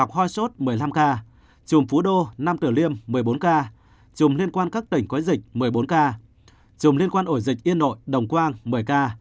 hoa sốt một mươi năm ca chùm phú đô năm tử liêm một mươi bốn ca chùm liên quan các tỉnh quấy dịch một mươi bốn ca chùm liên quan ổ dịch yên nội đồng quang một mươi ca